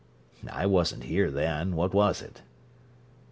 "I wasn't here then. What was it?"